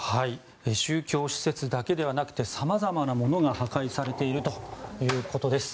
宗教施設だけではなくて様々なものが破壊されているということです。